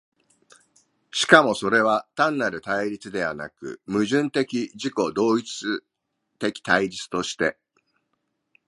しかもそれは単なる対立ではなく、矛盾的自己同一的対立として、